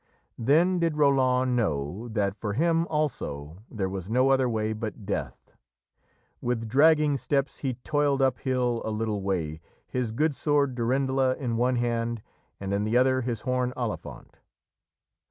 Then did Roland know that for him, also, there "was no other way but death." With dragging steps he toiled uphill a little way, his good sword Durendala in one hand, and in the other his horn Olifant.